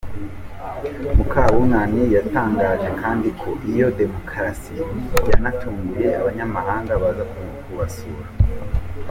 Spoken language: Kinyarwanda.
Mukabunani yatangaje kandi ko iyo demokarasi yanatunguye abanyamahanga bazaga kubasura.